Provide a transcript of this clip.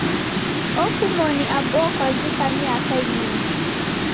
Okumoni Abo kwavika miaka ilinga?